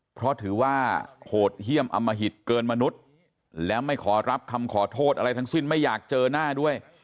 เพราะถือว่าโหดเยี่ยมอมหิตเกินมนุษย์และไม่ขอรับคำขอโทษอะไรทั้งสิ้นไม่อยากเจอหน้าด้วย